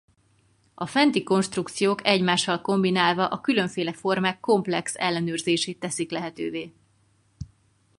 A fenti konstrukciók egymással kombinálva a különféle formák komplex ellenőrzését teszik lehetővé.